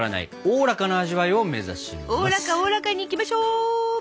おおらかおおらかにいきましょう。